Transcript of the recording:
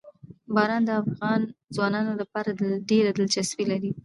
باران د افغان ځوانانو لپاره ډېره دلچسپي لري.